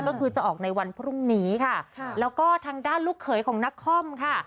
ก็คือจะออกในวันพรุ่งนี้ค่ะแล้วก็ทางด้านลูกเขยของนักคอมค่ะ